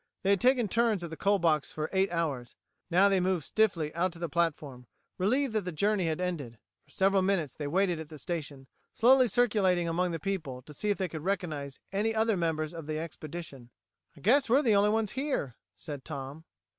They had taken turns at the coal box for eight hours. Now they moved stiffly out to the platform, relieved that the journey had ended. For several minutes they waited at the station, slowly circulating among the people to see if they could recognize any other members of the expedition. "I guess we're the only ones here," said Tom.